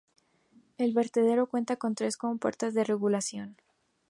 El vertedero cuenta con tres compuertas de regulación.